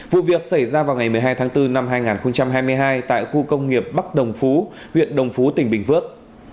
vụ việc xảy ra vào ngày một mươi hai tháng bốn năm hai nghìn hai mươi hai tại khu công nghiệp bắc đồng phú huyện đồng phú tỉnh bình phước